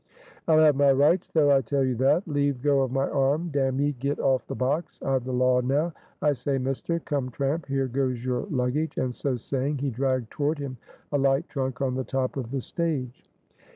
"I'll have my rights though, I tell you that! Leave go of my arm; damn ye, get off the box; I've the law now. I say mister, come tramp, here goes your luggage," and so saying he dragged toward him a light trunk on the top of the stage.